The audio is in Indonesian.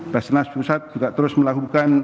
basnas pusat juga terus melakukan